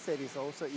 jadi kami juga mencari